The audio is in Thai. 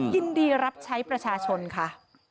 ยินดีรับใช้ประชาชนค่ะ